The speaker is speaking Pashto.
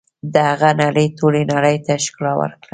د هغه نړۍ ټولې نړۍ ته ښکلا ورکړه.